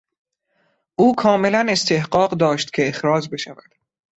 او کاملا استحقاق داشت که اخراج بشود.